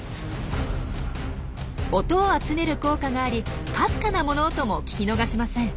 音を集める効果がありかすかな物音も聞き逃しません。